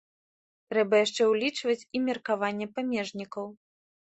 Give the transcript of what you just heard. Трэба яшчэ ўлічваць і меркаванне памежнікаў.